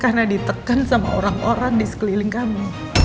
karena ditekan sama orang orang di sekeliling kamu